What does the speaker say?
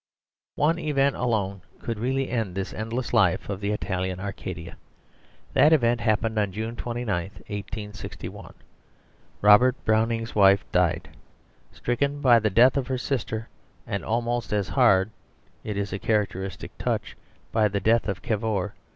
One event alone could really end this endless life of the Italian Arcadia. That event happened on June 29, 1861. Robert Browning's wife died, stricken by the death of her sister, and almost as hard (it is a characteristic touch) by the death of Cavour.